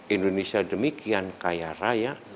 indonesia demikian kaya raya